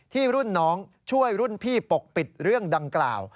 รุ่นน้องช่วยรุ่นพี่ปกปิดเรื่องดังกล่าว